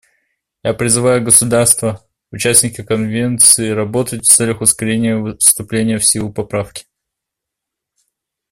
Я призываю государства — участники Конвенции работать в целях ускорения вступления в силу поправки.